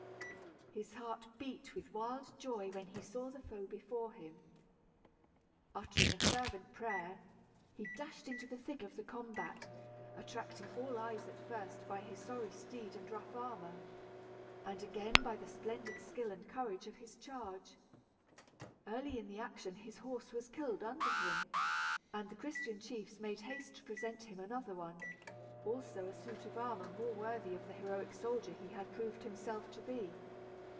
His heart beat with wild joy when he saw the foe before him. Uttering a fervent prayer, he dashed into the thick of the combat, attracting all eyes at first by his sorry steed and rough armor, and again by the splendid skill and courage of his charge. Early in the action his horse was killed under him, and the Christian chiefs made haste to present him another one, also a suit of armor more worthy of the heroic soldier he had proved himself to be.